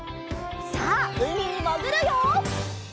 さあうみにもぐるよ！